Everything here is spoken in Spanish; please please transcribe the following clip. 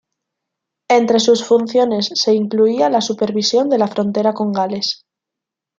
Entre sus funciones se incluía la supervisión de la frontera con Gales.